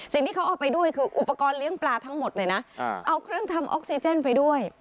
สิ่งที่เขาเอาไปด้วยคืออุปกรณ์เลี้ยงปลาทั้งหมดเลยนะเอาเครื่องทำออกซิเจนไปด้วย